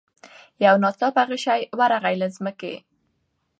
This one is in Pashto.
یو ناڅاپه غشی ورغی له مځکي